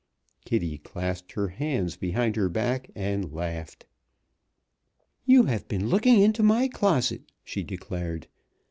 Kitty clasped her hands behind her back and laughed. "You have been looking into my closet!" she declared.